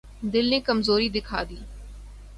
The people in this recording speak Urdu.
دل نے کمزوری دکھا دی۔